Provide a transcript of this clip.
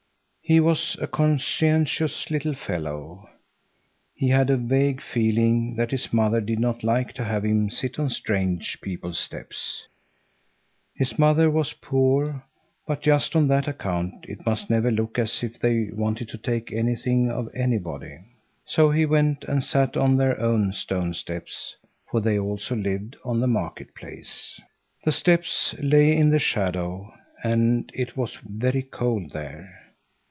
He was a conscientious little fellow. He had a vague feeling that his mother did not like to have him sit on strange people's steps. His mother was poor, but just on that account it must never look as if they wanted to take anything of anybody. So he went and sat on their own stone steps, for they also lived on the market place. The steps lay in the shadow, and it was very cold there.